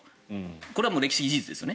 これは歴史的事実ですよね。